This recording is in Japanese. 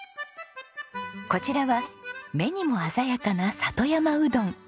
こちらは目にも鮮やかな里山うどん。